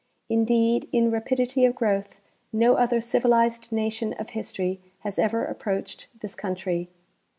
Indeed, in rapidity of growth no other civilized nation of history has ever approached this country.